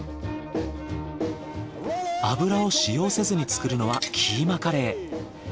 油を使用せずに作るのはキーマカレー。